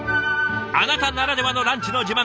あなたならではのランチの自慢